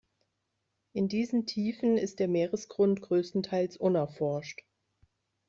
In diesen Tiefen ist der Meeresgrund größtenteils unerforscht.